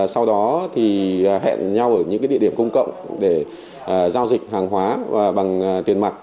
sau đó thì hẹn nhau ở những địa điểm công cộng để giao dịch hàng hóa và bằng tiền mặt